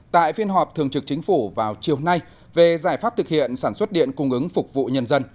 tại phiên họp thường trực chính phủ vào chiều nay về giải pháp thực hiện sản xuất điện cung ứng phục vụ nhân dân